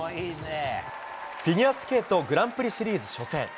フィギュアスケートグランプリシリーズ初戦。